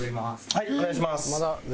はいお願いします。